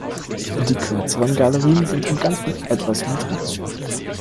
Die kürzeren Galerien sind im Ganzen etwas niedriger.